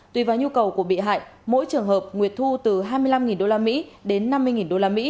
tùy vào nhu cầu của bị hại mỗi trường hợp nguyệt thu từ hai mươi năm usd đến năm mươi usd